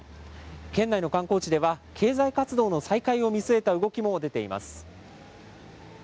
県内の観光地では、経済活動の再開を見据えた動きも出ています。